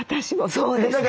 そうですか。